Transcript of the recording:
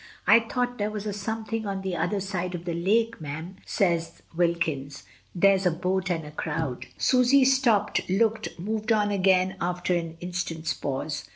"I thought there was a something on the other side of the lake, mem," says Wilkins. "There's a boat and a crowd." Susy stopped, looked, moved on again after an instant's pause.